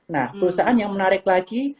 nah perusahaan yang menarik lagi